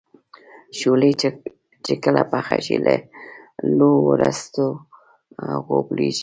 شولې چې کله پخې شي له لو وروسته غوبلیږي.